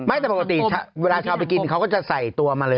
ไม่แต่ปกติเวลาชาวไปกินเขาก็จะใส่ตัวมาเลย